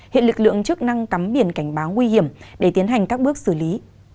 hiện lực lượng chức năng cắm biển cảnh báo nguy hiểm để tiến hành các bước xử lý